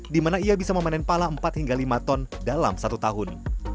di mana ia bisa memanen pala empat hingga lima ton dalam satu tahun